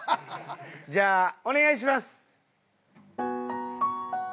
じゃあお願いします！